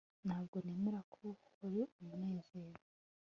Ntabwo nemera ko wari umunezero